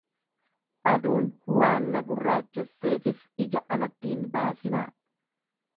aduun waan na gurraachesseefis ija anatti hin baasinaa!